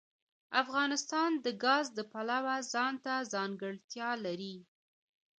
افغانستان د ګاز د پلوه ځانته ځانګړتیا لري.